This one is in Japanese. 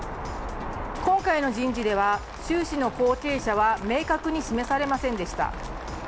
今回の人事では習氏の後継者は明確に示されませんでした。